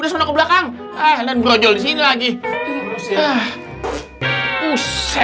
dan ingat buat kalian semua